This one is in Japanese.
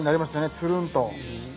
つるんと。